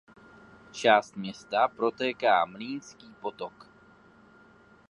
Částí města protéká Mlýnský potok.